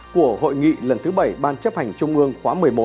của hội nghị lần thứ bảy ban chấp hành trung ương khóa một mươi một